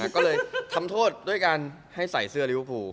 ก็เลยทำโทษด้วยการให้ใส่เสื้อริวฟู